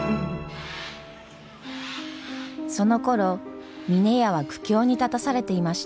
そのころ峰屋は苦境に立たされていました。